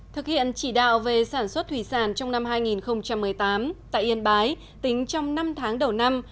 thực hiện chỉ đạo về sản xuất thủy sản trong năm hai nghìn một mươi tám tại yên bái tính trong năm tháng đầu năm